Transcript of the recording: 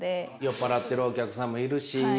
酔っ払っているお客さんもいるし。